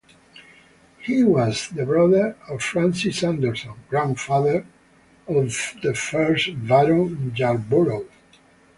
He was the brother of Francis Anderson, grandfather of the first Baron Yarborough.